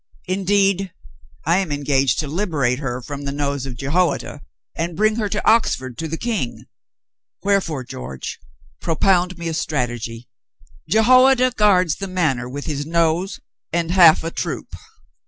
Indeed, I am engaged to liberate her from the nose of Jehoiada and bring her to Oxford to the King. Wherefore, George, propound me a strategy. Jehoi ada guards the Manor with his nose and half a troop.